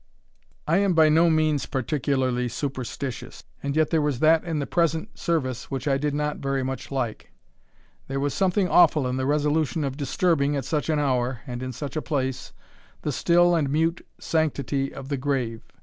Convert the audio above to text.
I am by no means particularly superstitious, and yet there was that in the present service which I did not very much like. There was something awful in the resolution of disturbing, at such an hour, and in such a place, the still and mute sanctity of the grave.